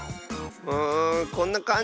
うんこんなかんじ。